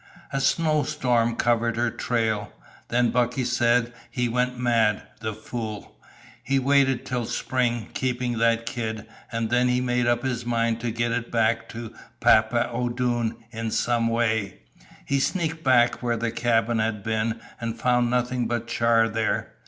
A snow storm covered her trail. Then Bucky says he went mad the fool! He waited till spring, keeping that kid, and then he made up his mind to get it back to Papa O'Doone in some way. He sneaked back where the cabin had been, and found nothing but char there.